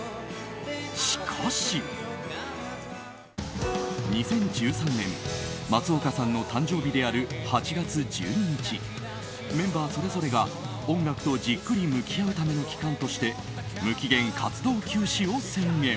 しかし、２０１３年松岡さんの誕生日である８月１２日、メンバーそれぞれが音楽とじっくり向き合うための期間として無期限活動休止を宣言。